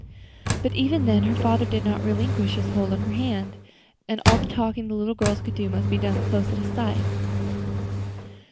But even then her father did not relinquish his hold of her hand, and all the talking the little girls could do must be done close at his side.